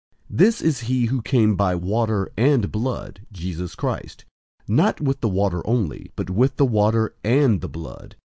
005:006 This is he who came by water and blood, Jesus Christ; not with the water only, but with the water and the blood.